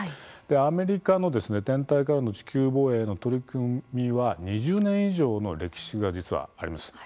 アメリカの天体からの地球防衛への取り組みは２０年以上の歴史が実はあります。